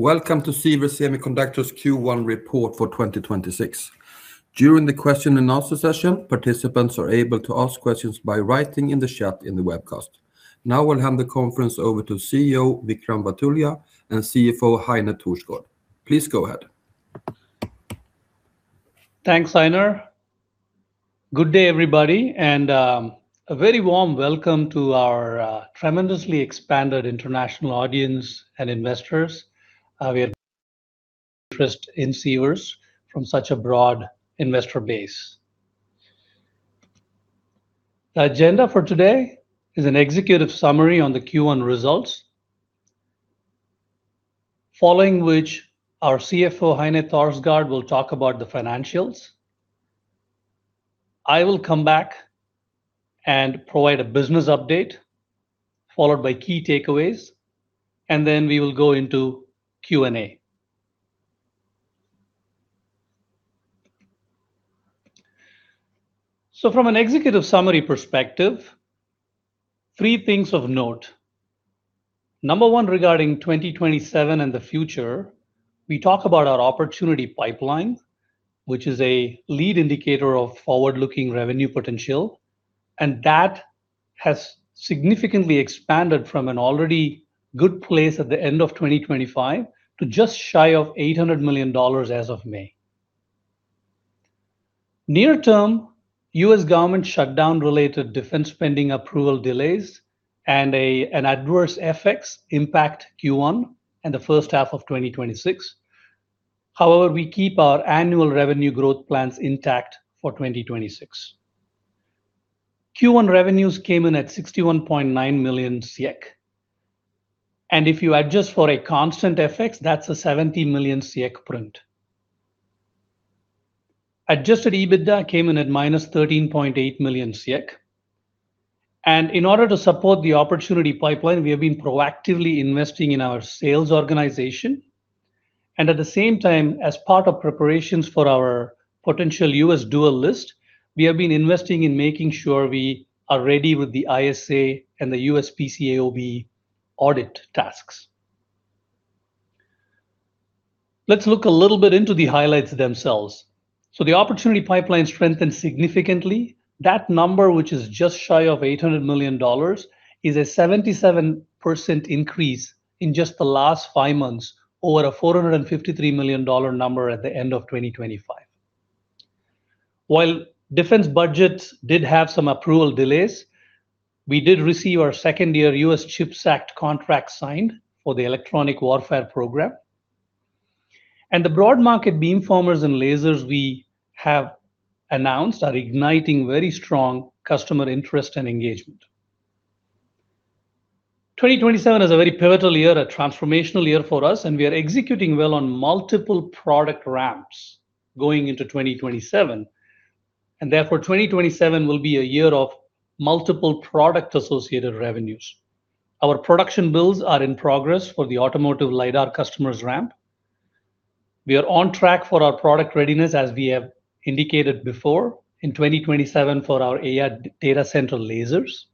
Welcome to Sivers Semiconductors Q1 report for 2026. During the question and answer session, participants are able to ask questions by writing in the chat in the webcast. Now we'll hand the conference over to CEO, Vickram Vathulya, and CFO, Heine Thorsgaard. Please go ahead. Thanks, Einar. Good day, everybody, and a very warm welcome to our tremendously expanded international audience and investors. We are interested in Sivers from such a broad investor base. The agenda for today is an executive summary on the Q1 results, following which our CFO, Heine Thorsgaard, will talk about the financials. I will come back and provide a business update followed by key takeaways. Then we will go into Q&A. From an executive summary perspective, three things of note. Number one, regarding 2027 and the future, we talk about our opportunity pipeline, which is a lead indicator of forward-looking revenue potential. That has significantly expanded from an already good place at the end of 2025 to just shy of $800 million as of May. Near term, U.S. government shutdown-related defense spending approval delays. Adverse FX impact Q1 and the first half of 2026. However, we keep our annual revenue growth plans intact for 2026. Q1 revenues came in at 61.9 million, and if you adjust for a constant FX, that's a 70 million print. Adjusted EBITDA came in at -13.8 million, and in order to support the opportunity pipeline, we have been proactively investing in our sales organization. At the same time, as part of preparations for our potential U.S. dual list, we have been investing in making sure we are ready with the ISA and the U.S. PCAOB audit tasks. Let's look a little bit into the highlights themselves. The opportunity pipeline strengthened significantly. That number, which is just shy of $800 million, is a 77% increase in just the last five months over a $453 million number at the end of 2025. While defense budgets did have some approval delays, we did receive our second-year US CHIPS Act contract signed for the electronic warfare program. The broad market beamformers and lasers we have announced are igniting very strong customer interest and engagement. 2027 is a very pivotal year, a transformational year for us, and we are executing well on multiple product ramps going into 2027, and therefore, 2027 will be a year of multiple product-associated revenues. Our production builds are in progress for the automotive LiDAR customers ramp. We are on track for our product readiness, as we have indicated before, in 2027 for our AI data center lasers.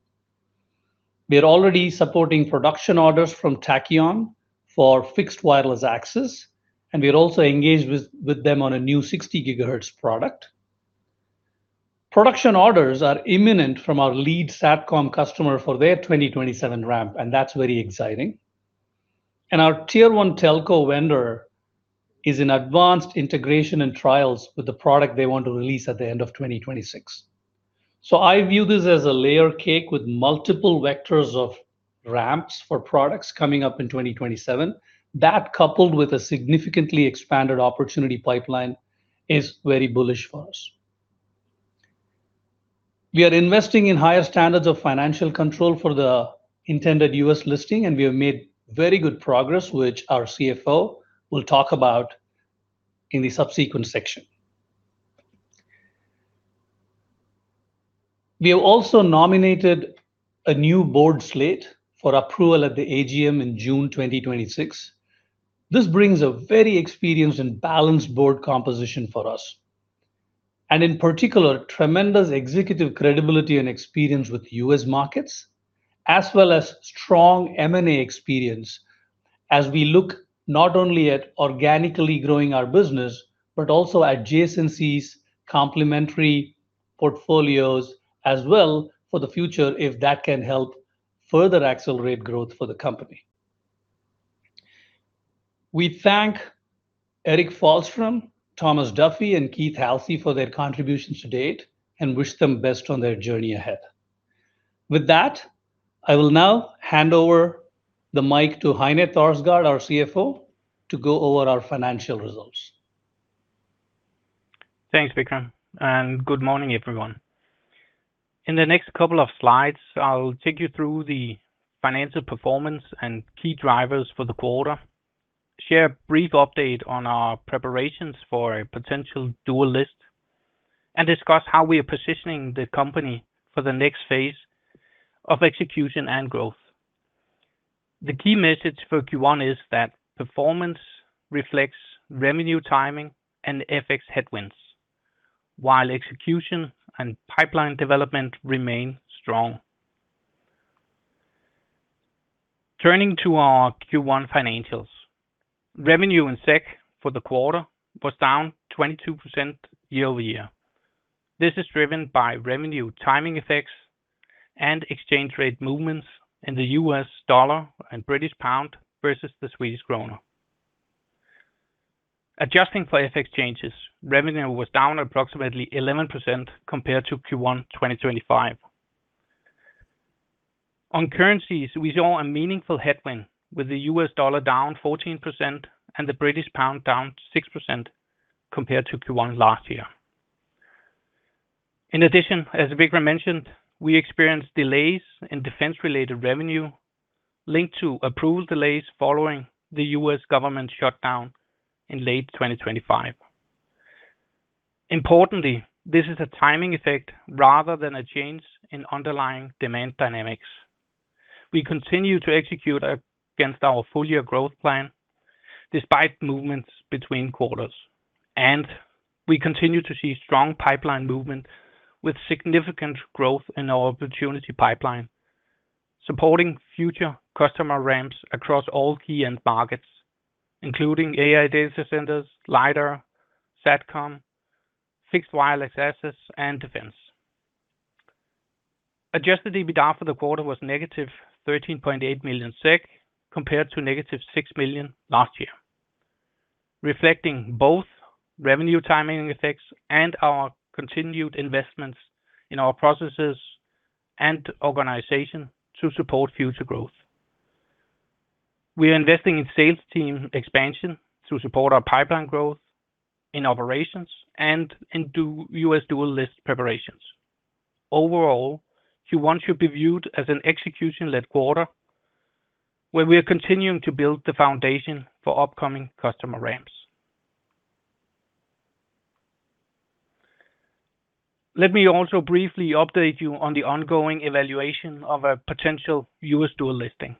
We are already supporting production orders from Tachyon for fixed wireless access, and we are also engaged with them on a new 60 GHz product. Production orders are imminent from our lead SATCOM customer for their 2027 ramp, and that's very exciting. Our Tier 1 telco vendor is in advanced integration and trials with the product they want to release at the end of 2026. I view this as a layer cake with multiple vectors of ramps for products coming up in 2027. That, coupled with a significantly expanded opportunity pipeline, is very bullish for us. We are investing in higher standards of financial control for the intended U.S. listing, and we have made very good progress, which our CFO will talk about in the subsequent section. We have also nominated a new board slate for approval at the AGM in June 2026. This brings a very experienced and balanced board composition for us, and in particular, tremendous executive credibility and experience with U.S. markets, as well as strong M&A experience as we look not only at organically growing our business, but also adjacencies complementary portfolios as well for the future if that can help further accelerate growth for the company. We thank Erik Fällström, Tomas Duffy, and Keith Halsey for their contributions to date and wish them best on their journey ahead. With that, I will now hand over the mic to Heine Thorsgaard, our CFO, to go over our financial results. Thanks, Vickram, good morning, everyone. In the next couple of slides, I'll take you through the financial performance and key drivers for the quarter, share a brief update on our preparations for a potential dual list, and discuss how we are positioning the company for the next phase of execution and growth. The key message for Q1 is that performance reflects revenue timing and FX headwinds, while execution and pipeline development remain strong. Turning to our Q1 financials. Revenue in SEK for the quarter was down 22% year-over-year. This is driven by revenue timing effects and exchange rate movements in the US dollar and British pound versus the Swedish krona. Adjusting for FX changes, revenue was down approximately 11% compared to Q1 2025. On currencies, we saw a meaningful headwind, with the US dollar down 14% and the British pound down 6% compared to Q1 last year. In addition, as Vickram mentioned, we experienced delays in defense-related revenue linked to approval delays following the U.S. government shutdown in late 2025. Importantly, this is a timing effect rather than a change in underlying demand dynamics. We continue to execute against our full-year growth plan despite movements between quarters, and we continue to see strong pipeline movement with significant growth in our opportunity pipeline, supporting future customer ramps across all key end markets, including AI data centers, LiDAR, SATCOM, fixed wireless access, and defense. Adjusted EBITDA for the quarter was negative 13.8 million SEK, compared to negative 6 million last year, reflecting both revenue timing effects and our continued investments in our processes and organization to support future growth. We are investing in sales team expansion to support our pipeline growth in operations and in U.S. dual list preparations. Overall, Q1 should be viewed as an execution-led quarter, where we are continuing to build the foundation for upcoming customer ramps. Let me also briefly update you on the ongoing evaluation of a potential U.S. dual listing.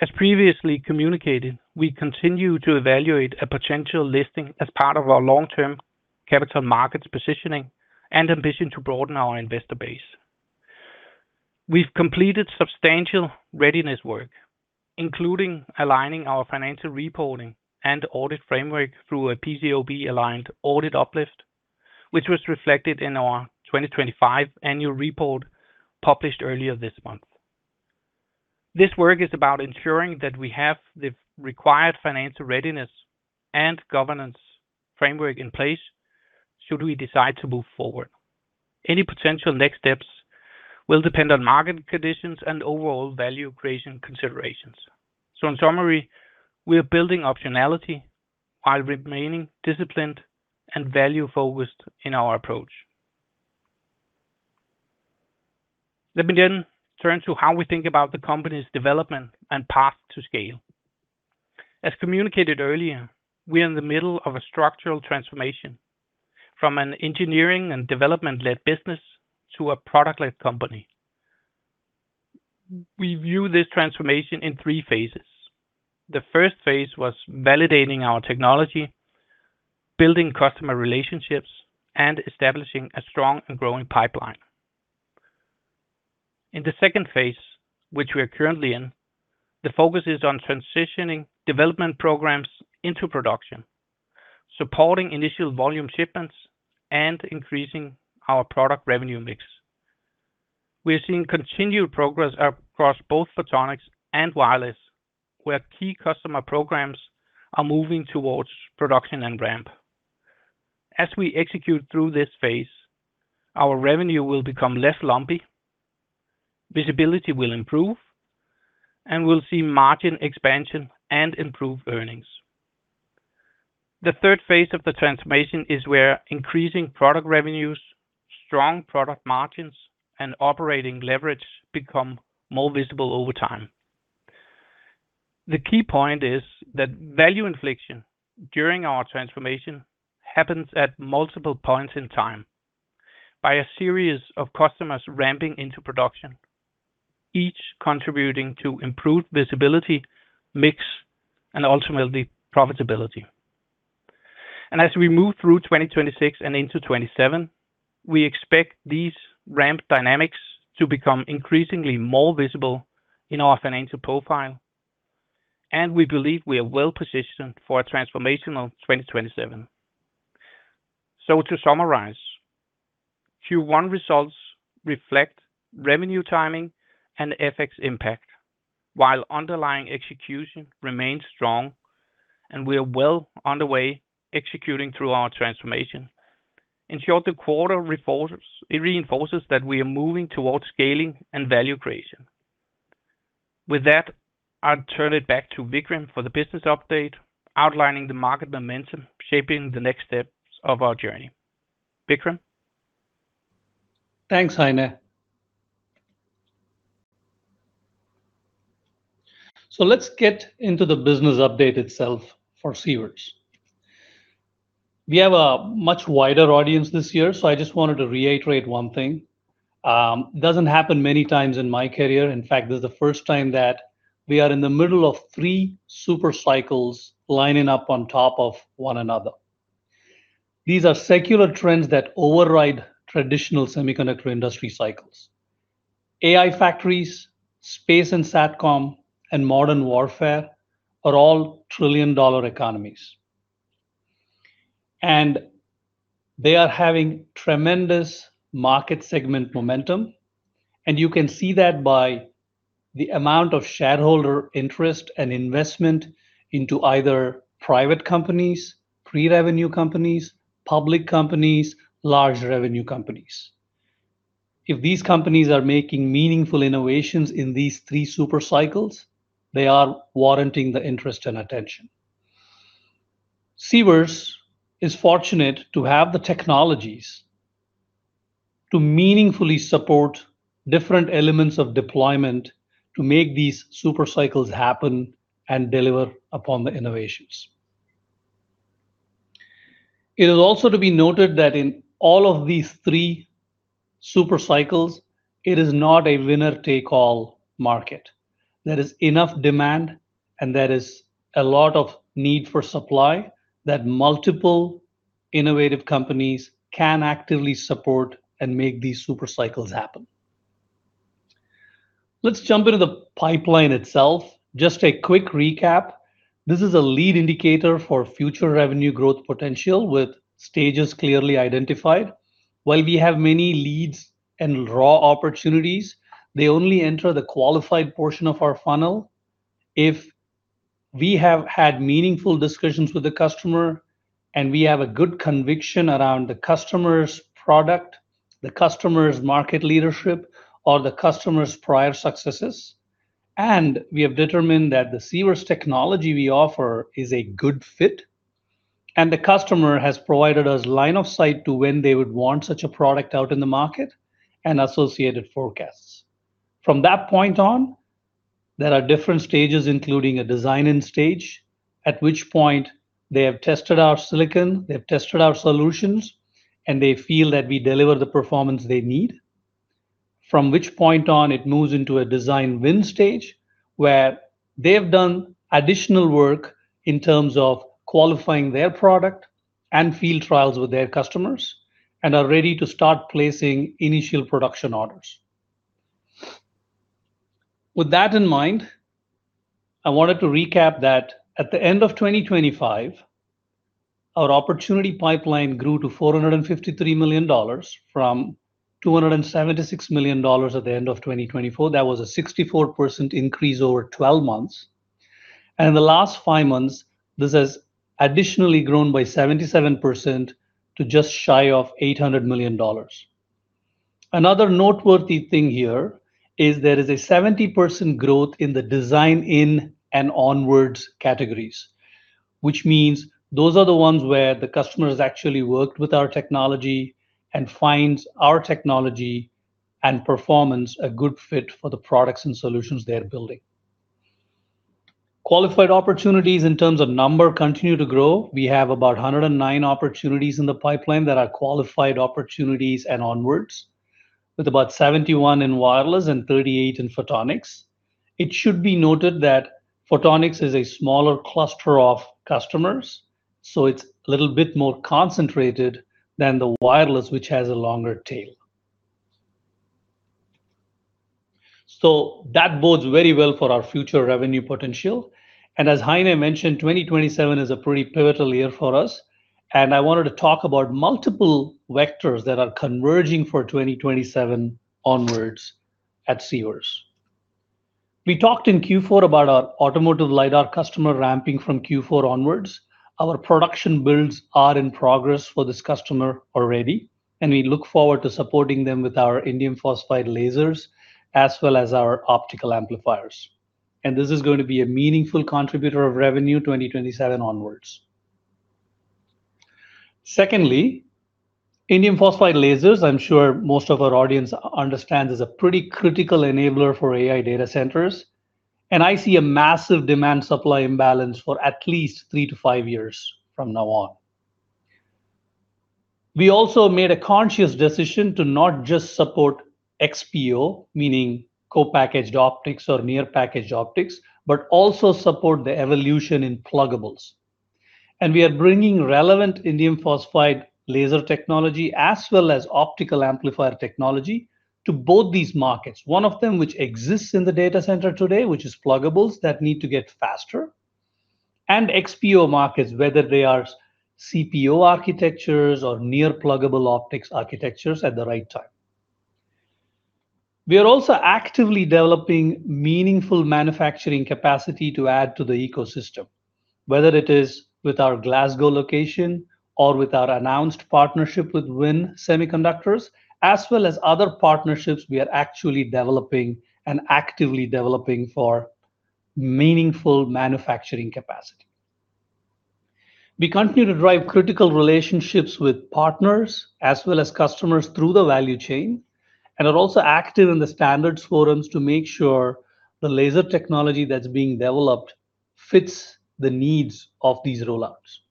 As previously communicated, we continue to evaluate a potential listing as part of our long-term capital markets positioning and ambition to broaden our investor base. We've completed substantial readiness work, including aligning our financial reporting and audit framework through a PCAOB-aligned audit uplift, which was reflected in our 2025 annual report published earlier this month. This work is about ensuring that we have the required financial readiness and governance framework in place should we decide to move forward. Any potential next steps will depend on market conditions and overall value creation considerations. In summary, we are building optionality while remaining disciplined and value-focused in our approach. Let me turn to how we think about the company's development and path to scale. As communicated earlier, we are in the middle of a structural transformation from an engineering and development-led business to a product-led company. We view this transformation in three phases. The phase I was validating our technology, building customer relationships, and establishing a strong and growing pipeline. In the phase II, which we are currently in, the focus is on transitioning development programs into production, supporting initial volume shipments, and increasing our product revenue mix. We are seeing continued progress across both photonics and wireless, where key customer programs are moving towards production and ramp. As we execute through this phase, our revenue will become less lumpy, visibility will improve, and we'll see margin expansion and improved earnings. The phase III of the transformation is where increasing product revenues, strong product margins, and operating leverage become more visible over time. The key point is that value creation during our transformation happens at multiple points in time by a series of customers ramping into production, each contributing to improved visibility, mix, and ultimately profitability. As we move through 2026 and into 2027, we expect these ramp dynamics to become increasingly more visible in our financial profile, and we believe we are well-positioned for a transformational 2027. To summarize, Q1 results reflect revenue timing and FX impact while underlying execution remains strong, and we are well underway executing through our transformation. In short, the quarter reinforces that we are moving towards scaling and value creation. With that, I'll turn it back to Vickram for the business update, outlining the market momentum shaping the next steps of our journey. Vickram? Thanks, Heine. Let's get into the business update itself for Sivers. We have a much wider audience this year, so I just wanted to reiterate one thing. Doesn't happen many times in my career. In fact, this is the first time that we are in the middle of three super cycles lining up on top of one another. These are secular trends that override traditional semiconductor industry cycles. AI factories, space and SATCOM, and modern warfare are all trillion-dollar economies. They are having tremendous market segment momentum, and you can see that by the amount of shareholder interest and investment into either private companies, pre-revenue companies, public companies, large revenue companies. If these companies are making meaningful innovations in these three super cycles, they are warranting the interest and attention. Sivers is fortunate to have the technologies to meaningfully support different elements of deployment to make these super cycles happen and deliver upon the innovations. It is also to be noted that in all of these three super cycles, it is not a winner take all market. There is enough demand, and there is a lot of need for supply that multiple innovative companies can actively support and make these super cycles happen. Let's jump into the pipeline itself. Just a quick recap. This is a lead indicator for future revenue growth potential with stages clearly identified. While we have many leads and raw opportunities, they only enter the qualified portion of our funnel if we have had meaningful discussions with the customer and we have a good conviction around the customer's product, The customer's market leadership or the customer's prior successes, and we have determined that the Sivers technology we offer is a good fit, and the customer has provided us line of sight to when they would want such a product out in the market and associated forecasts. From that point on, there are different stages, including a design-in stage, at which point they have tested our silicon, they've tested our solutions, and they feel that we deliver the performance they need, from which point on it moves into a design win stage where they've done additional work in terms of qualifying their product and field trials with their customers and are ready to start placing initial production orders. With that in mind, I wanted to recap that at the end of 2025, our opportunity pipeline grew to $453 million from $276 million at the end of 2024. That was a 64% increase over 12 months. In the last five months, this has additionally grown by 77% to just shy of $800 million. Another noteworthy thing here is there is a 70% growth in the design-in and onwards categories, which means those are the ones where the customers actually worked with our technology and find our technology and performance a good fit for the products and solutions they are building. Qualified opportunities in terms of number continue to grow. We have about 109 opportunities in the pipeline that are qualified opportunities and onwards, with about 71 in wireless and 38 in photonics. It should be noted that photonics is a smaller cluster of customers, so it's a little bit more concentrated than the wireless, which has a longer tail. That bodes very well for our future revenue potential. As Heine mentioned, 2027 is a pretty pivotal year for us, and I wanted to talk about multiple vectors that are converging for 2027 onwards at Sivers. We talked in Q4 about our automotive LiDAR customer ramping from Q4 onwards. Our production builds are in progress for this customer already, We look forward to supporting them with our indium phosphide lasers as well as our optical amplifiers. This is going to be a meaningful contributor of revenue 2027 onwards. Secondly, indium phosphide lasers, I'm sure most of our audience understands, is a pretty critical enabler for AI data centers, I see a massive demand-supply imbalance for at least three to five years from now on. We also made a conscious decision to not just support XPO, meaning co-packaged optics or near package optics, but also support the evolution in pluggables. We are bringing relevant indium phosphide laser technology as well as optical amplifier technology to both these markets. One of them, which exists in the data center today, which is pluggables that need to get faster, XPO markets, whether they are CPO architectures or near pluggable optics architectures at the right time. We are also actively developing meaningful manufacturing capacity to add to the ecosystem, whether it is with our Glasgow location or with our announced partnership with WIN Semiconductors, as well as other partnerships we are actually developing and actively developing for meaningful manufacturing capacity. We continue to drive critical relationships with partners as well as customers through the value chain, are also active in the standards forums to make sure the laser technology that's being developed fits the needs of these roll-ups.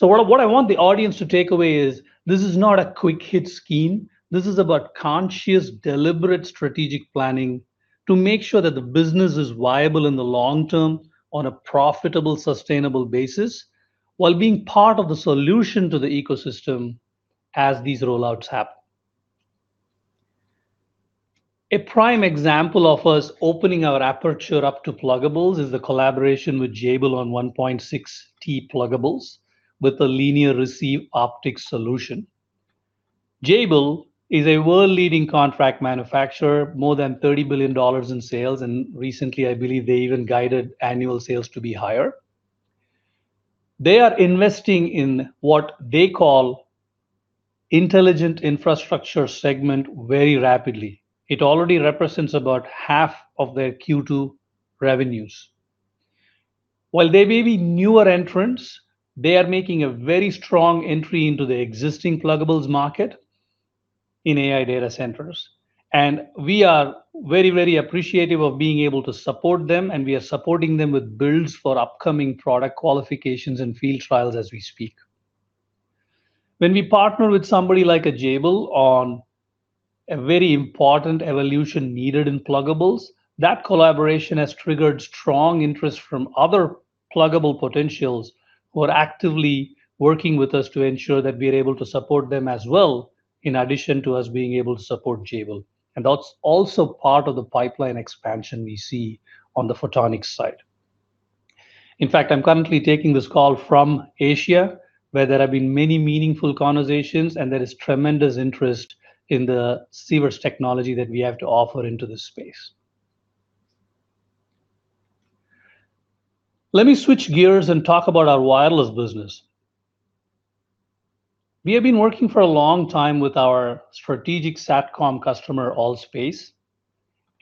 What I want the audience to take away is this is not a quick hit scheme. This is about conscious, deliberate, strategic planning to make sure that the business is viable in the long term on a profitable, sustainable basis while being part of the solution to the ecosystem as these rollouts happen. A prime example of us opening our aperture up to pluggables is the collaboration with Jabil on 1.6T pluggables with a linear receive optics solution. Jabil is a world-leading contract manufacturer, more than $30 billion in sales, and recently, I believe they even guided annual sales to be higher. They are investing in what they call intelligent infrastructure segment very rapidly. It already represents about half of their Q2 revenues. While they may be newer entrants, they are making a very strong entry into the existing pluggables market in AI data centers, and we are very, very appreciative of being able to support them, and we are supporting them with builds for upcoming product qualifications and field trials as we speak. When we partner with somebody like a Jabil on a very important evolution needed in pluggables, that collaboration has triggered strong interest from other pluggable potentials who are actively working with us to ensure that we are able to support them as well, in addition to us being able to support Jabil. That's also part of the pipeline expansion we see on the photonics side. In fact, I'm currently taking this call from Asia, where there have been many meaningful conversations and there is tremendous interest in the Sivers technology that we have to offer into this space. Let me switch gears and talk about our wireless business. We have been working for a long time with our strategic SATCOM customer, ALL.SPACE,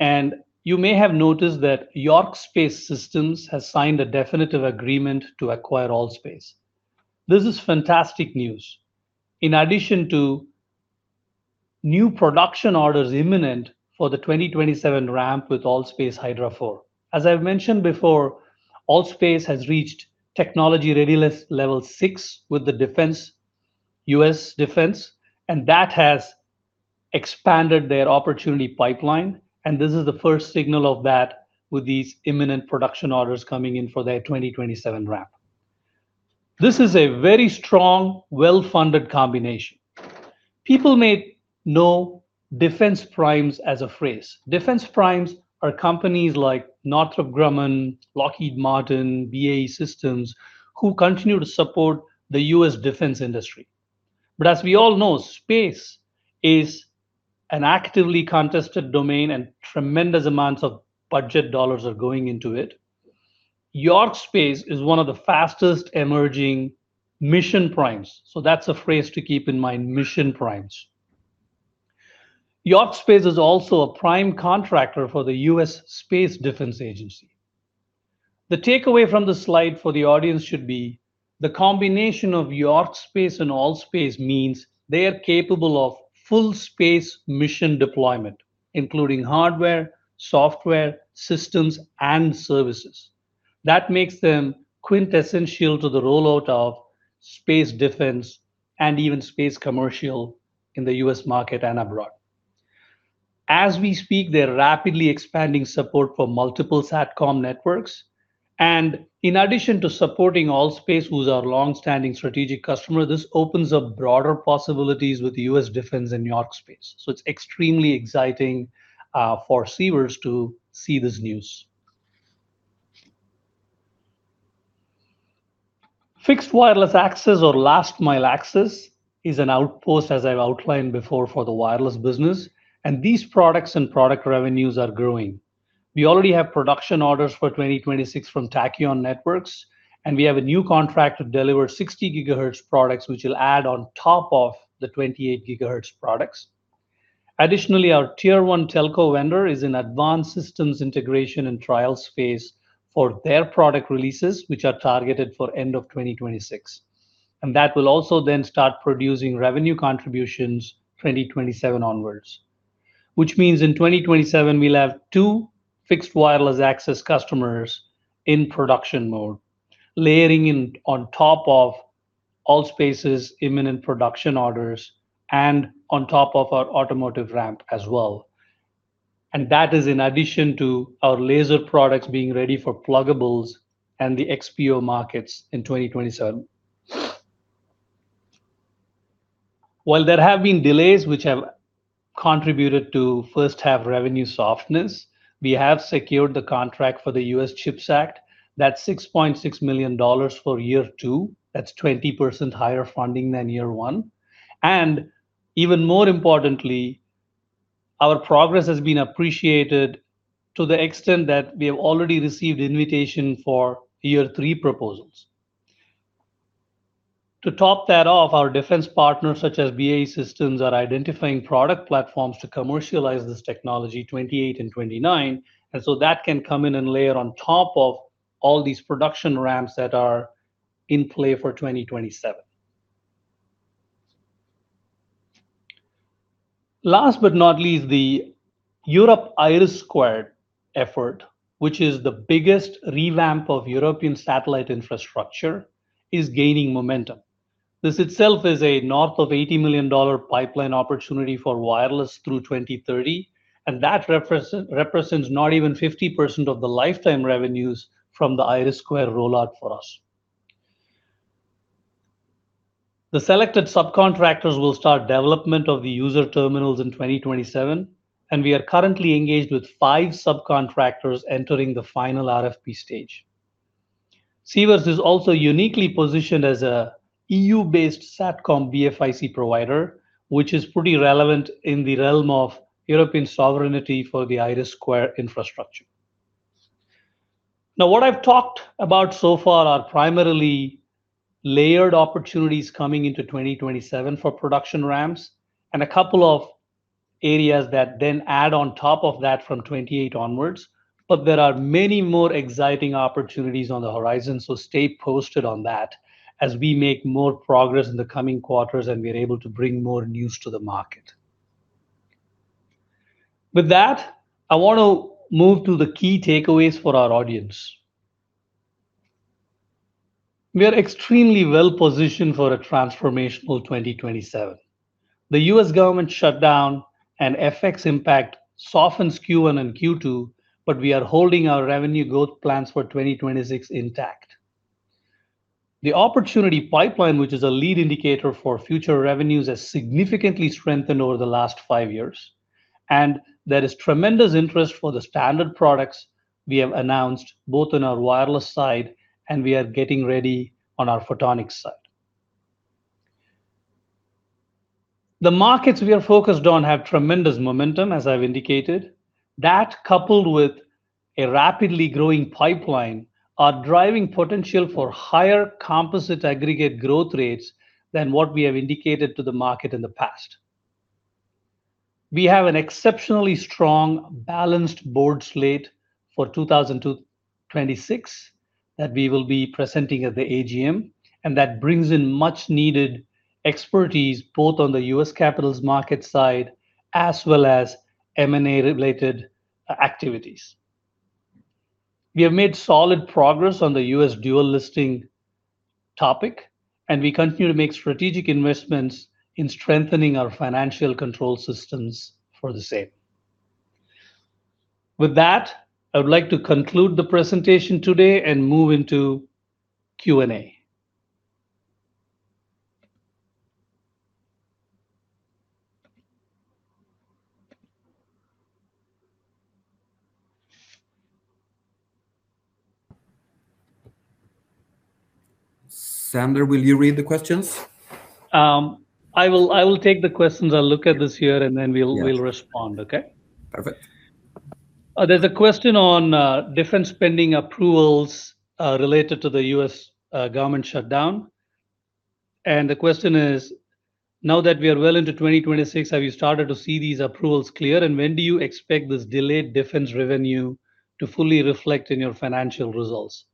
and you may have noticed that York Space Systems has signed a definitive agreement to acquire ALL.SPACE. This is fantastic news. In addition to new production orders imminent for the 2027 ramp with ALL.SPACE Hydra 4. As I've mentioned before, ALL.SPACE has reached technology readiness level 6 with the U.S. defense, and that has expanded their opportunity pipeline, and this is the first signal of that with these imminent production orders coming in for their 2027 ramp. This is a very strong, well-funded combination. People may know defense primes as a phrase. Defense primes are companies like Northrop Grumman, Lockheed Martin, BAE Systems, who continue to support the U.S. defense industry. As we all know, space is an actively contested domain and tremendous amounts of budget dollars are going into it. York Space is one of the fastest emerging mission primes, so that's a phrase to keep in mind, mission primes. York Space is also a prime contractor for the Space Development Agency. The takeaway from the slide for the audience should be the combination of York Space and ALL.SPACE means they are capable of full space mission deployment, including hardware, software, systems, and services. That makes them quintessential to the rollout of space defense and even space commercial in the U.S. market and abroad. As we speak, they're rapidly expanding support for multiple SATCOM networks, and in addition to supporting ALL.SPACE, who's our long-standing strategic customer, this opens up broader possibilities with U.S. Defense and York Space. It's extremely exciting for Sivers to see this news. Fixed wireless access or last mile access is an outpost, as I've outlined before, for the wireless business, and these products and product revenues are growing. We already have production orders for 2026 from Tachyon Networks, and we have a new contract to deliver 60 GHz products, which will add on top of the 28 GHz products. Additionally, our Tier 1 telco vendor is in advanced systems integration and trial space for their product releases, which are targeted for end of 2026. That will also then start producing revenue contributions 2027 onwards. Which means in 2027, we'll have two fixed wireless access customers in production mode, layering in on top of ALL.SPACE's imminent production orders and on top of our automotive ramp as well. That is in addition to our laser products being ready for pluggables and the XPO markets in 2027. While there have been delays which have contributed to first-half revenue softness, we have secured the contract for the U.S. CHIPS Act. That's $6.6 million for year two. That's 20% higher funding than year one. Even more importantly, our progress has been appreciated to the extent that we have already received invitation for year three proposals. To top that off, our defense partners such as BAE Systems, are identifying product platforms to commercialize this technology 2028 and 2029. That can come in and layer on top of all these production ramps that are in play for 2027. Last but not least, the Europe IRIS² effort, which is the biggest revamp of European satellite infrastructure, is gaining momentum. This itself is a north of $80 million pipeline opportunity for wireless through 2030. That represents not even 50% of the lifetime revenues from the IRIS² rollout for us. The selected subcontractors will start development of the user terminals in 2027, and we are currently engaged with five subcontractors entering the final RFP stage. Sivers is also uniquely positioned as a EU-based SATCOM BFIC provider, which is pretty relevant in the realm of European sovereignty for the IRIS² infrastructure. What I've talked about so far are primarily layered opportunities coming into 2027 for production ramps and a couple of areas that then add on top of that from 2028 onwards. There are many more exciting opportunities on the horizon, stay posted on that as we make more progress in the coming quarters, we are able to bring more news to the market. With that, I want to move to the key takeaways for our audience. We are extremely well-positioned for a transformational 2027. The U.S. government shutdown and FX impact softens Q1 and Q2, but we are holding our revenue growth plans for 2026 intact. The opportunity pipeline, which is a lead indicator for future revenues, has significantly strengthened over the last five years, and there is tremendous interest for the standard products we have announced, both on our wireless side, and we are getting ready on our photonics side. The markets we are focused on have tremendous momentum, as I've indicated. That, coupled with a rapidly growing pipeline, are driving potential for higher composite aggregate growth rates than what we have indicated to the market in the past. We have an exceptionally strong, balanced board slate for 2026 that we will be presenting at the AGM, and that brings in much-needed expertise both on the U.S. capitals market side as well as M&A-related activities. We have made solid progress on the U.S. dual listing topic, and we continue to make strategic investments in strengthening our financial control systems for the same. With that, I would like to conclude the presentation today and move into Q&A. Vathulya, will you read the questions? I will take the questions. I'll look at this here, and then we'll respond. Okay? Perfect. There's a question on defense spending approvals related to the U.S. government shutdown. The question is: Now that we are well into 2026, have you started to see these approvals clear, and when do you expect this delayed defense revenue to fully reflect in your financial results?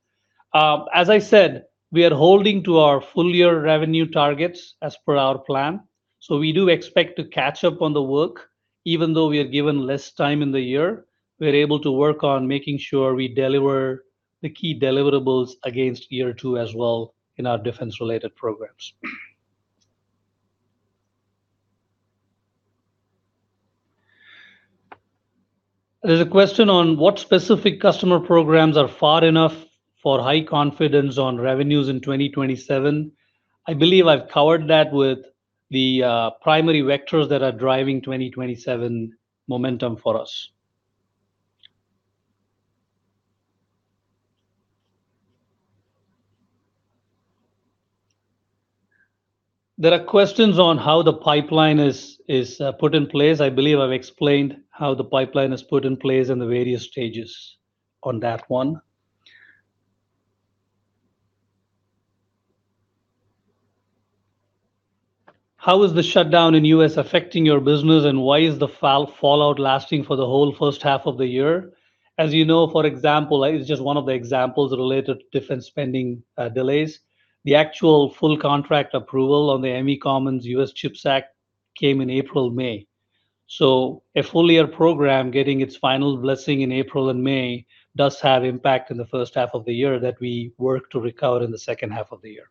As I said, we are holding to our full-year revenue targets as per our plan. We do expect to catch up on the work. Even though we are given less time in the year, we are able to work on making sure we deliver the key deliverables against year two as well in our defense-related programs. There's a question on what specific customer programs are far enough for high confidence on revenues in 2027. I believe I've covered that with the primary vectors that are driving 2027 momentum for us. There are questions on how the pipeline is put in place. I believe I've explained how the pipeline is put in place and the various stages on that one. How is the shutdown in the U.S. affecting your business, and why is the fallout lasting for the whole first half of the year? As you know, for example, it's just one of the examples related to defense spending delays. The actual full contract approval on the Microelectronics Commons U.S. CHIPS Act came in April, May. A full-year program getting its final blessing in April and May does have impact in the first half of the year that we work to recover in the second half of the year.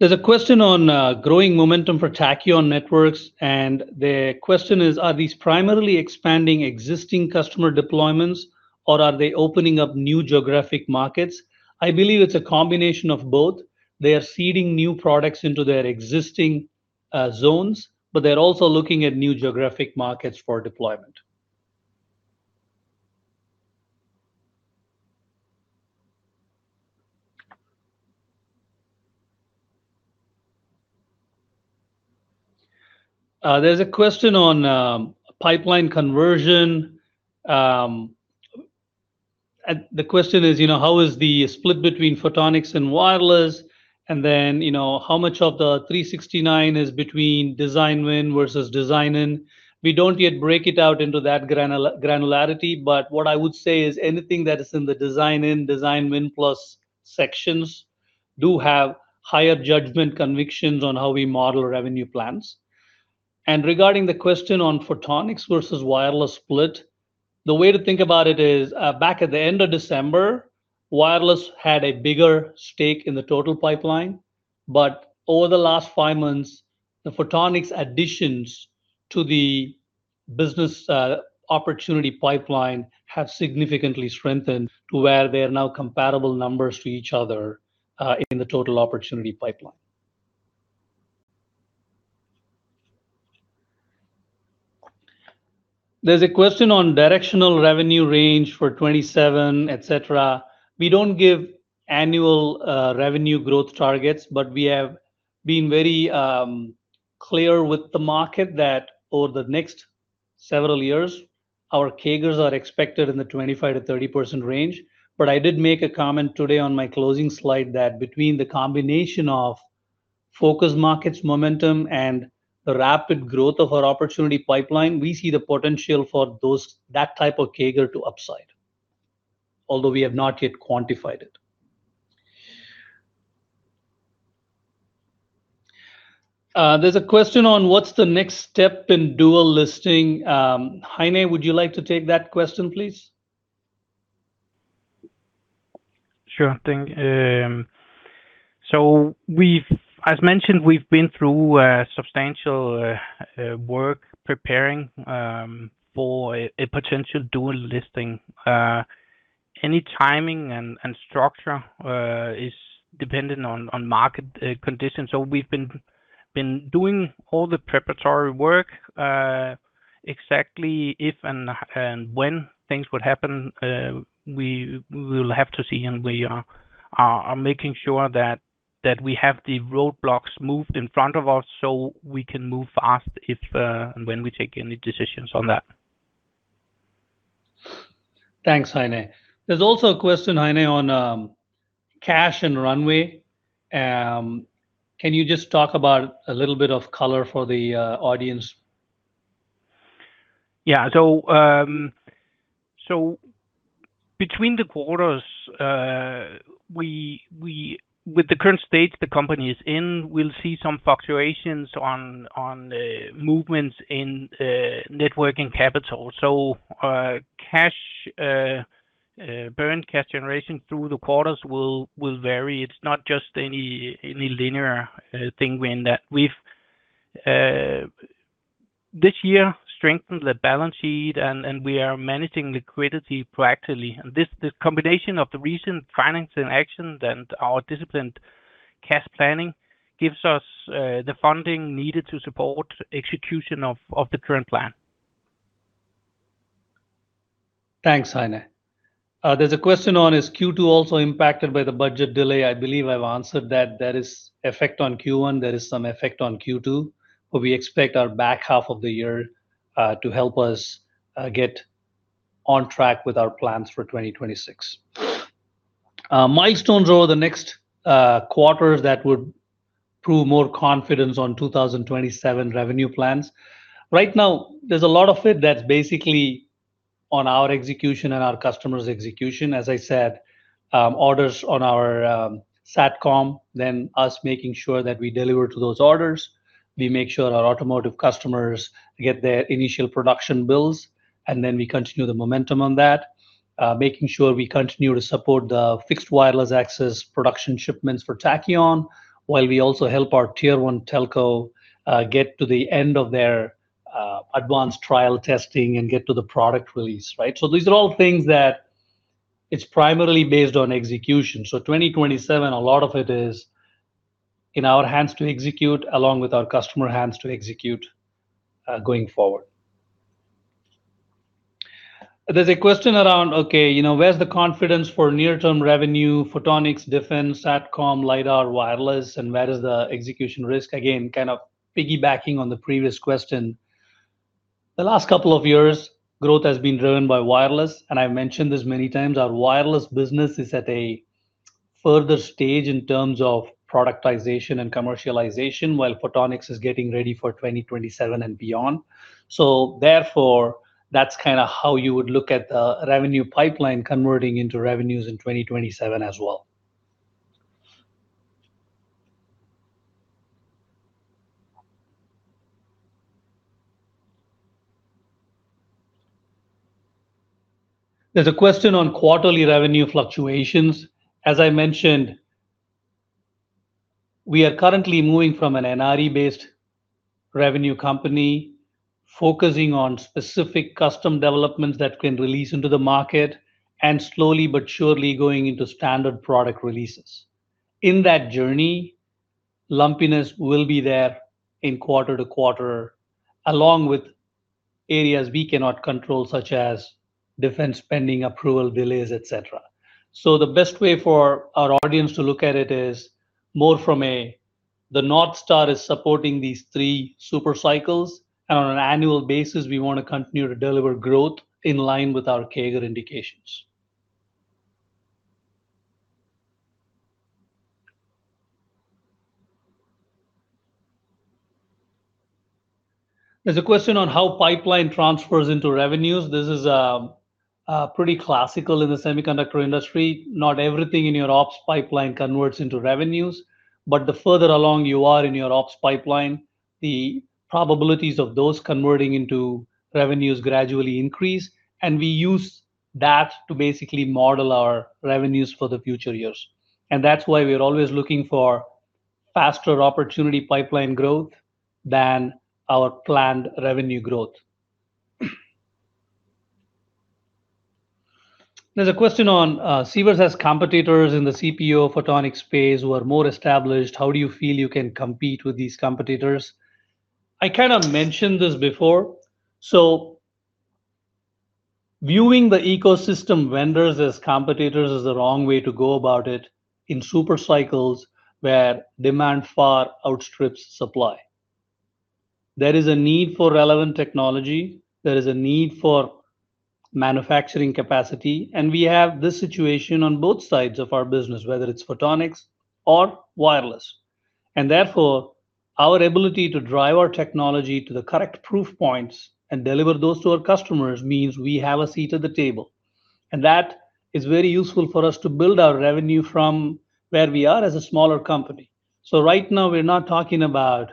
There's a question on growing momentum for Tachyon Networks, and the question is, are these primarily expanding existing customer deployments, or are they opening up new geographic markets? I believe it's a combination of both. They are seeding new products into their existing zones, but they're also looking at new geographic markets for deployment. There's a question on pipeline conversion. The question is: How is the split between photonics and wireless? How much of the 369 is between design win versus design-in? We don't yet break it out into that granularity, but what I would say is anything that is in the design-in/design win plus sections do have higher judgment convictions on how we model revenue plans. Regarding the question on photonics versus wireless split. The way to think about it is, back at the end of December, wireless had a bigger stake in the total pipeline. Over the last five months, the photonics additions to the business opportunity pipeline have significantly strengthened to where they are now comparable numbers to each other in the total opportunity pipeline. There's a question on directional revenue range for 2027, et cetera. We don't give annual revenue growth targets, but we have been very clear with the market that over the next several years, our CAGRs are expected in the 25%-30% range. I did make a comment today on my closing slide that between the combination of focus markets momentum and the rapid growth of our opportunity pipeline, We see the potential for that type of CAGR to upside, although we have not yet quantified it. There's a question on what's the next step in dual listing. Heine, would you like to take that question, please? Sure thing. As mentioned, we've been through substantial work preparing for a potential dual listing. Any timing and structure is dependent on market conditions. We've been doing all the preparatory work. Exactly if and when things would happen, we will have to see, and we are making sure that we have the roadblocks moved in front of us so we can move fast if and when we take any decisions on that. Thanks, Heine. There's also a question, Heine, on cash and runway. Can you just talk about a little bit of color for the audience? Between the quarters, with the current state the company is in, we'll see some fluctuations on movements in net working capital. Burn cash generation through the quarters will vary. It's not just any linear thing, in that we've this year strengthened the balance sheet, and we are managing liquidity proactively. This combination of the recent financing actions and our disciplined cash planning gives us the funding needed to support execution of the current plan. Thanks, Heine. There's a question on, is Q2 also impacted by the budget delay? I believe I've answered that. There is effect on Q1, there is some effect on Q2, but we expect our back half of the year to help us get on track with our plans for 2026. Milestones over the next quarters that would prove more confidence on 2027 revenue plans. Right now, there's a lot of it that's basically on our execution and our customers' execution. As I said, orders on our SatCom, then us making sure that we deliver to those orders. We make sure our automotive customers get their initial production builds, then we continue the momentum on that, making sure we continue to support the fixed wireless access production shipments for Tachyon, while we also help our Tier 1 telco get to the end of their advanced trial testing and get to the product release. Right? These are all things that it's primarily based on execution. 2027, a lot of it is in our hands to execute, along with our customer hands to execute going forward. There's a question around, okay, where's the confidence for near-term revenue, photonics, defense, SATCOM, LiDAR, wireless, and where is the execution risk? Again, kind of piggybacking on the previous question. The last couple of years, growth has been driven by wireless. I've mentioned this many times, our wireless business is at a further stage in terms of productization and commercialization, while photonics is getting ready for 2027 and beyond. Therefore, that's how you would look at the revenue pipeline converting into revenues in 2027 as well. There's a question on quarterly revenue fluctuations. As I mentioned, we are currently moving from an NRE-based revenue company focusing on specific custom developments that can release into the market, and slowly but surely going into standard product releases. In that journey, lumpiness will be there in quarter-to-quarter, along with areas we cannot control, such as defense spending, approval delays, et cetera. The best way for our audience to look at it is more from a, the North Star is supporting these three super cycles, and on an annual basis, we want to continue to deliver growth in line with our CAGR indications. There is a question on how pipeline transfers into revenues. This is pretty classical in the semiconductor industry. Not everything in your opportunity pipeline converts into revenues, but the further along you are in your opportunity pipeline, the probabilities of those converting into revenues gradually increase. We use that to basically model our revenues for the future years. That is why we are always looking for faster opportunity pipeline growth than our planned revenue growth. There is a question on, "Sivers has competitors in the CPO photonic space who are more established. How do you feel you can compete with these competitors?" I kind of mentioned this before. Viewing the ecosystem vendors as competitors is the wrong way to go about it in supercycles where demand far outstrips supply. There is a need for relevant technology, there is a need for manufacturing capacity, and we have this situation on both sides of our business, whether it's photonics or wireless. Therefore, our ability to drive our technology to the correct proofpoints and deliver those to our customers means we have a seat at the table. That is very useful for us to build our revenue from where we are as a smaller company. Right now, we're not talking about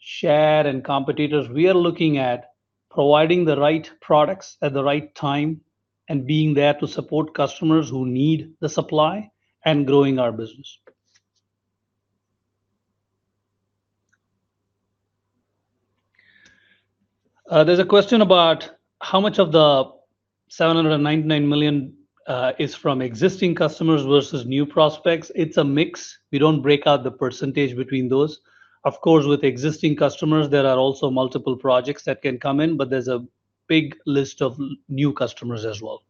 share and competitors. We are looking at providing the right products at the right time and being there to support customers who need the supply, and growing our business. There's a question about how much of the $799 million is from existing customers versus new prospects. It's a mix. We don't break out the percentage between those. Of course, with existing customers, there are also multiple projects that can come in, but there's a big list of new customers as well.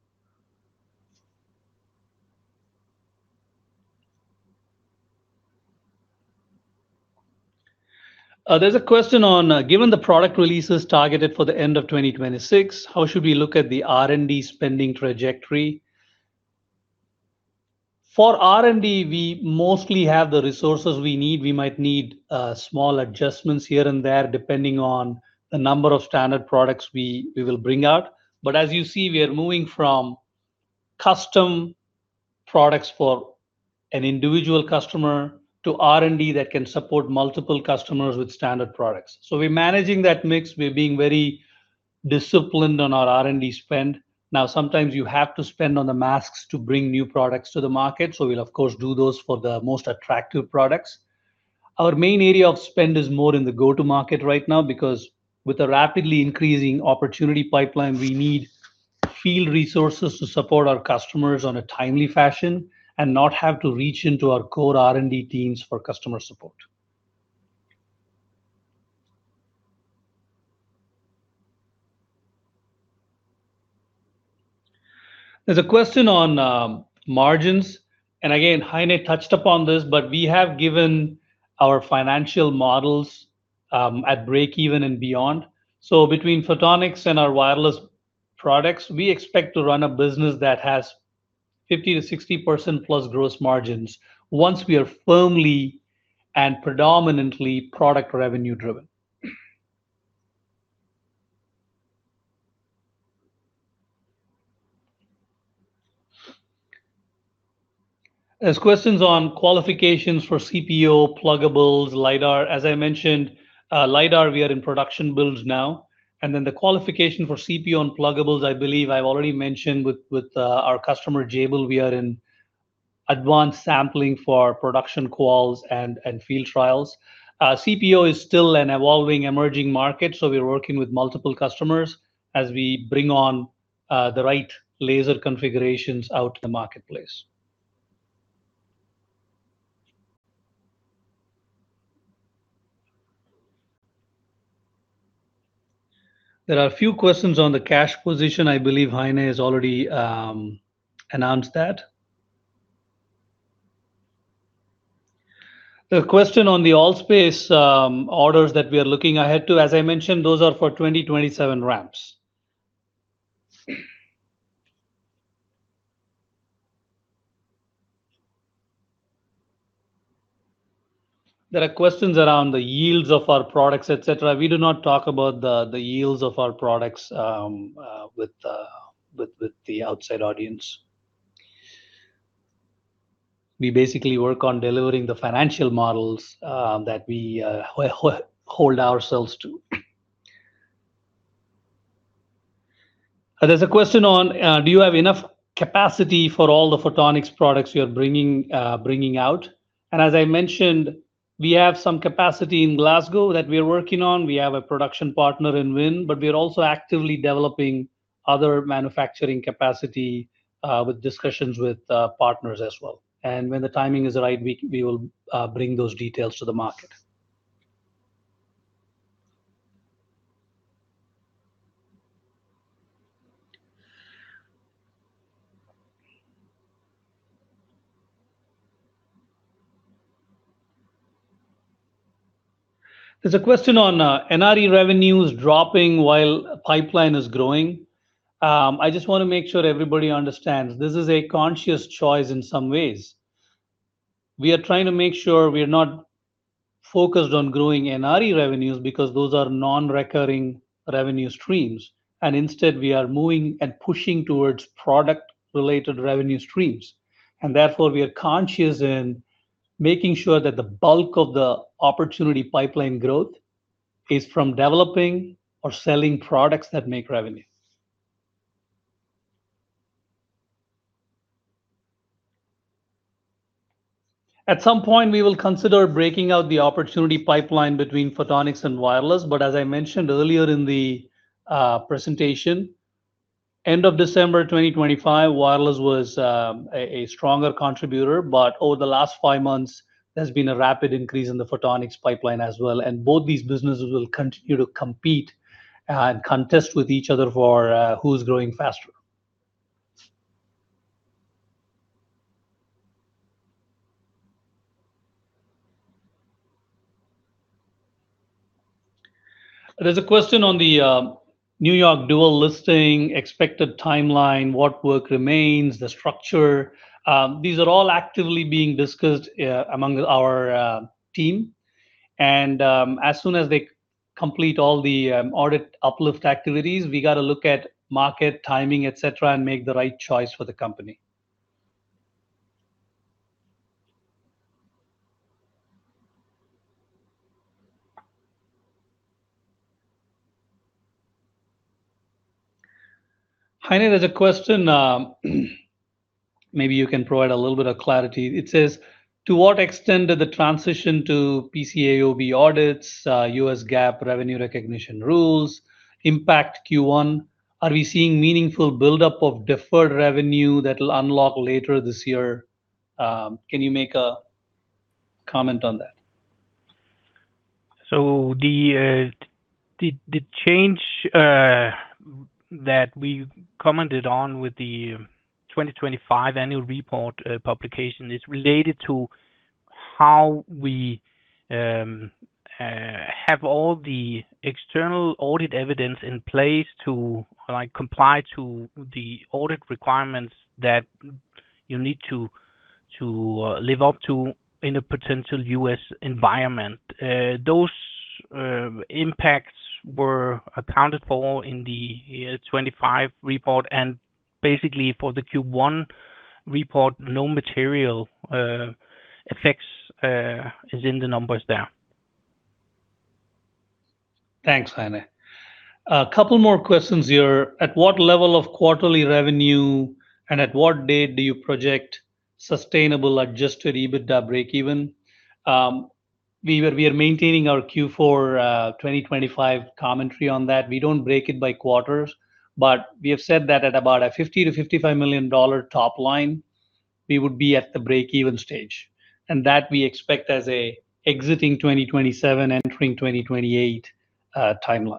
There's a question on, "Given the product releases targeted for the end of 2026, how should we look at the R&D spending trajectory?" For R&D, we mostly have the resources we need. We might need small adjustments here and there, depending on the number of standard products we will bring out. As you see, we are moving from custom products for an individual customer to R&D that can support multiple customers with standard products. We're managing that mix. We're being very disciplined on our R&D spend. Sometimes you have to spend on the masks to bring new products to the market, we'll of course do those for the most attractive products. Our main area of spend is more in the go-to market right now because with a rapidly increasing opportunity pipeline, we need field resources to support our customers on a timely fashion and not have to reach into our core R&D teams for customer support. There's a question on margins, again, Heine touched upon this, we have given our financial models at break-even and beyond. Between photonics and our wireless products, we expect to run a business that has 50%-60%+ gross margins once we are firmly and predominantly product revenue driven. There's questions on qualifications for CPO, pluggables, LiDAR. As I mentioned, LiDAR, we are in production builds now. The qualification for CPO and pluggables, I believe I've already mentioned with our customer, Jabil, we are in advanced sampling for production quals and field trials. CPO is still an evolving, emerging market, so we are working with multiple customers as we bring on the right laser configurations out to the marketplace. There are a few questions on the cash position. I believe Heine has already announced that. The question on the ALL.SPACE orders that we are looking ahead to, as I mentioned, those are for 2027 ramps. There are questions around the yields of our products, et cetera. We do not talk about the yields of our products with the outside audience. We basically work on delivering the financial models that we hold ourselves to. There's a question on, "Do you have enough capacity for all the photonics products you're bringing out?" As I mentioned, we have some capacity in Glasgow that we are working on. We have a production partner in WIN, but we are also actively developing other manufacturing capacity with discussions with partners as well. When the timing is right, we will bring those details to the market. There's a question on NRE revenues dropping while pipeline is growing. I just want to make sure everybody understands this is a conscious choice in some ways. We are trying to make sure we are not focused on growing NRE revenues because those are non-recurring revenue streams. Instead, we are moving and pushing towards product-related revenue streams. Therefore, we are conscious in making sure that the bulk of the opportunity pipeline growth is from developing or selling products that make revenue. At some point, we will consider breaking out the opportunity pipeline between Photonics and Wireless, but as I mentioned earlier in the presentation, end of December 2025, Wireless was a stronger contributor. Over the last five months, there's been a rapid increase in the Photonics pipeline as well, and both these businesses will continue to compete and contest with each other for who's growing faster. There's a question on the N.Y. dual listing expected timeline, what work remains, the structure. These are all actively being discussed among our team. As soon as they complete all the audit uplift activities, we got to look at market timing, et cetera, and make the right choice for the company. Heine, there's a question, maybe you can provide a little bit of clarity. It says, "To what extent did the transition to PCAOB audits, US GAAP revenue recognition rules impact Q1? Are we seeing meaningful build-up of deferred revenue that'll unlock later this year? Can you make a comment on that? The change that we commented on with the 2025 annual report publication is related to how we have all the external audit evidence in place to comply to the audit requirements that you need to live up to in a potential U.S. environment. Those impacts were accounted for in the year 2025 report, basically for the Q1 report, no material effects is in the numbers there. Thanks, Heine. A couple more questions here. At what level of quarterly revenue and at what date do you project sustainable adjusted EBITDA breakeven? We are maintaining our Q4 2025 commentary on that. We don't break it by quarters, but we have said that at about a SEK 50 million-SEK 55 million top line, we would be at the breakeven stage. And that we expect as exiting 2027, entering 2028 timeline.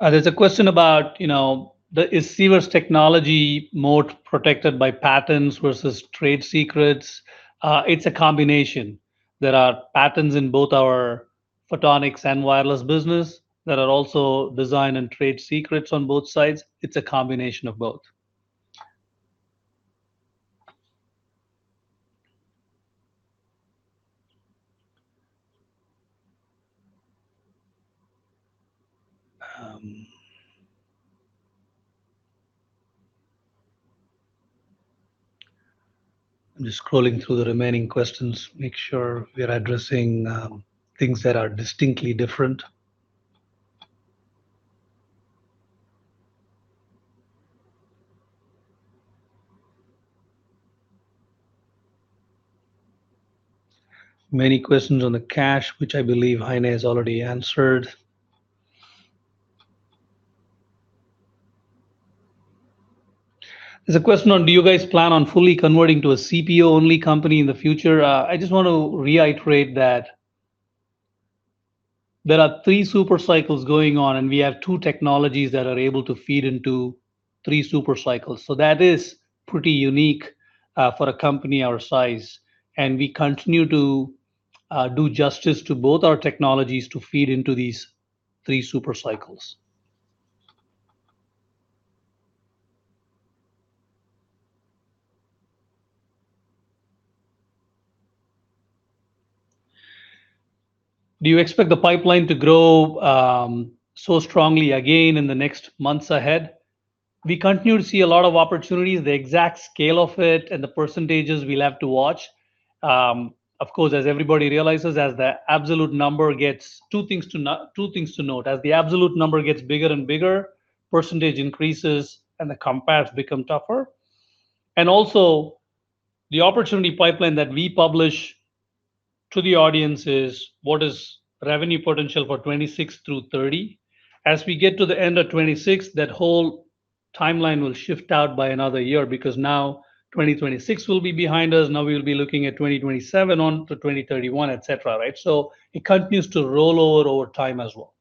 There's a question about, is Sivers' technology more protected by patents versus trade secrets? It's a combination. There are patents in both our Photonics and Wireless business that are also design and trade secrets on both sides. It's a combination of both. I'm just scrolling through the remaining questions, make sure we are addressing things that are distinctly different. Many questions on the cash, which I believe Heine has already answered. There's a question on, do you guys plan on fully converting to a CPO-only company in the future? I just want to reiterate that there are three super cycles going on, and we have two technologies that are able to feed into three super cycles. That is pretty unique for a company our size, and we continue to do justice to both our technologies to feed into these three super cycles. Do you expect the pipeline to grow so strongly again in the next months ahead? We continue to see a lot of opportunities. The exact scale of it and the percentages, we'll have to watch. Of course, as everybody realizes, two things to note. As the absolute number gets bigger and bigger, percentage increases and the compares become tougher. Also, the opportunity pipeline that we publish to the audience is what is revenue potential for 2026 through 2030. As we get to the end of 2026, that whole timeline will shift out by another year because now 2026 will be behind us. We'll be looking at 2027 on to 2031, et cetera. It continues to roll over over time as well.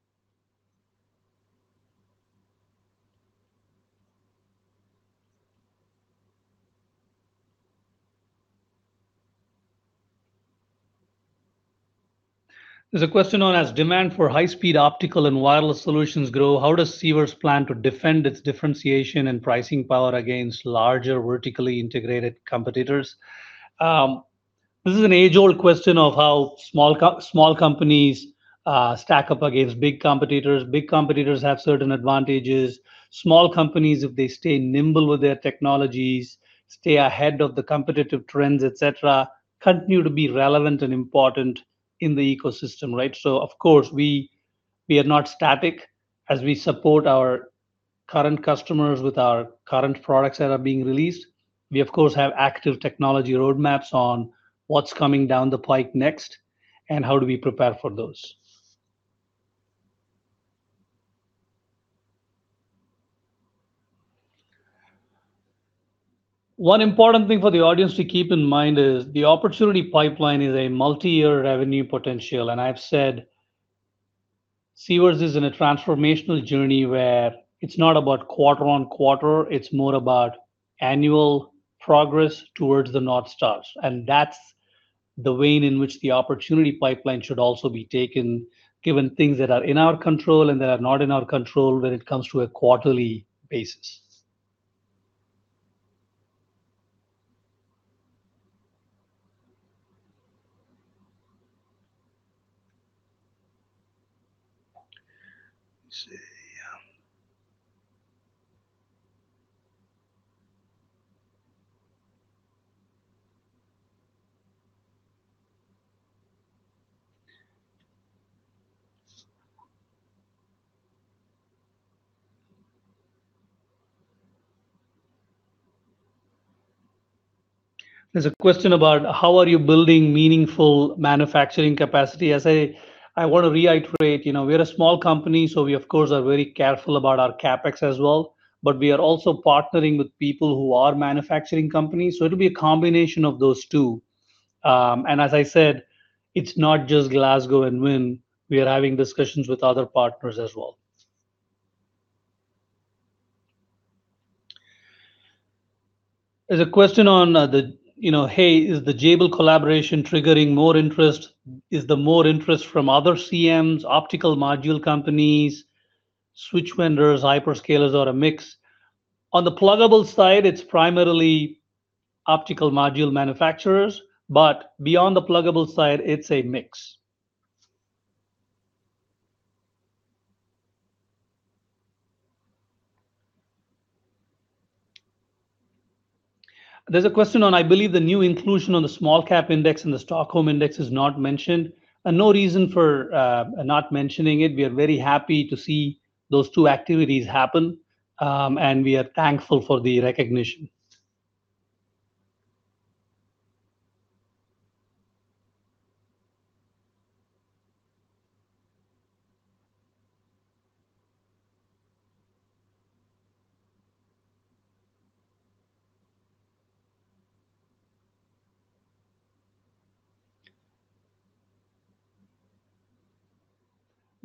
There's a question on, "As demand for high-speed optical and wireless solutions grow, how does Sivers plan to defend its differentiation and pricing power against larger, vertically integrated competitors?" This is an age-old question of how small companies stack up against big competitors. Big competitors have certain advantages. Small companies, if they stay nimble with their technologies, stay ahead of the competitive trends, et cetera, continue to be relevant and important in the ecosystem. Of course, we are not static as we support our current customers with our current products that are being released. We, of course, have active technology roadmaps on what's coming down the pipe next, and how do we prepare for those. One important thing for the audience to keep in mind is the opportunity pipeline is a multi-year revenue potential, and I've said, Sivers is in a transformational journey where it's not about quarter-on-quarter, It's more about annual progress towards the North Stars. That's the vein in which the opportunity pipeline should also be taken, given things that are in our control and that are not in our control when it comes to a quarterly basis. Let's see. There's a question about, "How are you building meaningful manufacturing capacity?" I want to reiterate, we are a small company, so we of course, are very careful about our CapEx as well, but we are also partnering with people who are manufacturing companies, so it'll be a combination of those two. As I said, it's not just Glasgow and WIN. We are having discussions with other partners as well. There's a question on the, "Hey, is the Jabil collaboration triggering more interest?" Is the more interest from other CMs, optical module companies, switch vendors, hyperscalers, or a mix? On the pluggable side, it's primarily optical module manufacturers, but beyond the pluggable side, it's a mix. There's a question on, "I believe the new inclusion on the small cap index and the Stockholm index is not mentioned." No reason for not mentioning it. We are very happy to see those two activities happen, and we are thankful for the recognition.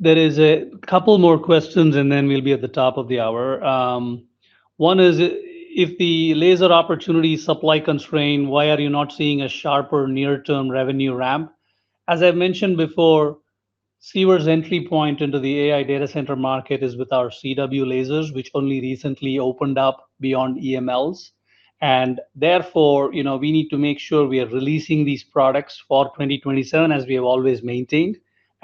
There is a couple more questions, and then we'll be at the top of the hour. One is, "If the laser opportunity supply-constrained, why are you not seeing a sharper near-term revenue ramp?" As I've mentioned before, Sivers' entry point into the AI data center market is with our CW lasers, which only recently opened up beyond EMLs. Therefore, we need to make sure we are releasing these products for 2027, as we have always maintained.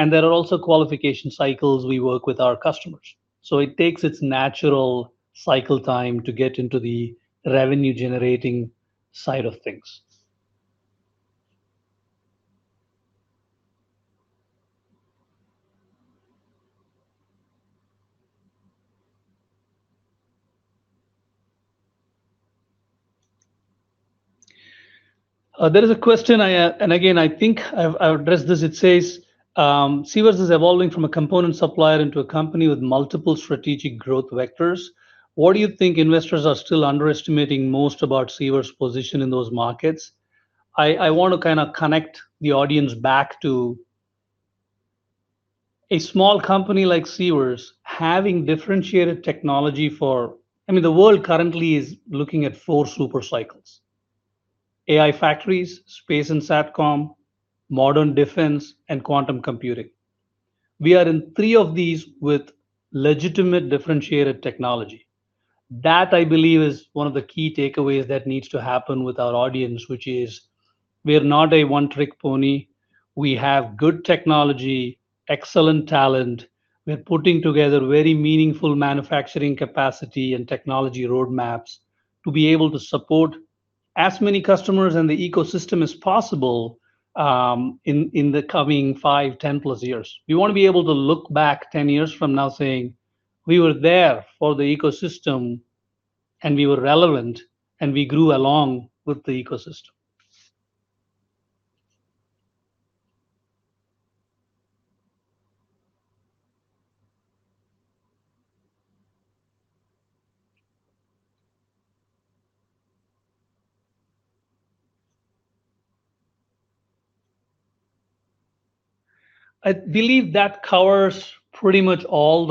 There are also qualification cycles we work with our customers. It takes its natural cycle time to get into the revenue-generating side of things. There is a question, and again, I think I've addressed this. It says, "Sivers is evolving from a component supplier into a company with multiple strategic growth vectors. What do you think investors are still underestimating most about Sivers' position in those markets? I want to kind of connect the audience back to a small company like Sivers having differentiated technology for. The world currently is looking at four super cycles: AI factories, space and SATCOM, modern defense, and quantum computing. We are in three of these with legitimate differentiated technology. That, I believe, is one of the key takeaways that needs to happen with our audience, which is we are not a one-trick pony. We have good technology, excellent talent. We're putting together very meaningful manufacturing capacity and technology roadmaps to be able to support as many customers in the ecosystem as possible, in the coming five, 10+ years. We want to be able to look back 10 years from now saying, "We were there for the ecosystem, and we were relevant, and we grew along with the ecosystem." I believe that covers pretty much all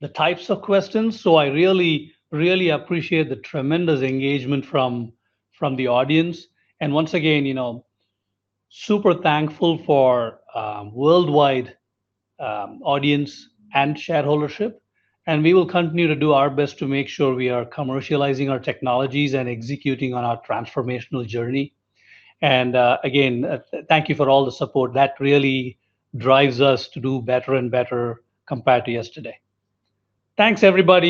the types of questions. I really, really appreciate the tremendous engagement from the audience. Once again, super thankful for worldwide audience and share ownership, and we will continue to do our best to make sure we are commercializing our technologies and executing on our transformational journey. Again, thank you for all the support. That really drives us to do better and better compared to yesterday. Thanks, everybody